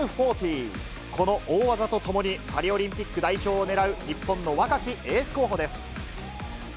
この大技とともに、パリオリンピック代表を狙う日本の若きエース候補です。